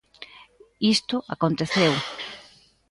Isto aconteceu.